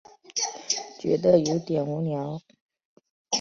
觉得有点无聊